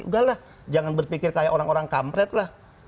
udah lah jangan berpikir kayak orang orang kampret lah